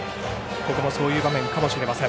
ここもそういう場面かもしれません。